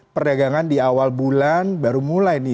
perdagangan di awal bulan baru mulai nih